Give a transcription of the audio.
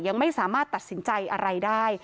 ยังไม่สามารถตัดสินใจอะไรได้